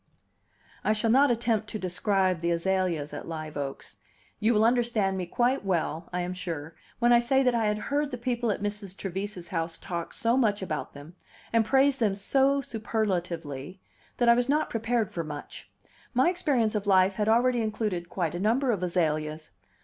I shall not attempt to describe the azaleas at Live Oaks. You will understand me quite well, I am sure, when I say that I had heard the people at Mrs. Trevise's house talk so much about them, and praise them so superlatively, that I was not prepared for much: my experience of life had already included quite a number of azaleas.